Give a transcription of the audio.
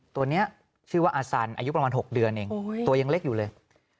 ตัวนี้ชื่อว่าอาสันอายุประมาณ๖เดือนเองตัวยังเล็กอยู่เลย